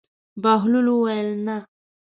بهلول وویل: نه.